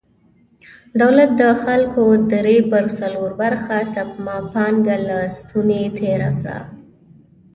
دولت د خلکو درې پر څلور برخه سپما پانګه له ستونې تېره کړه.